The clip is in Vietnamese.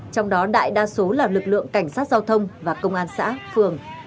trong đó đại đa số là lực lượng cảnh sát giao thông và công an xã phường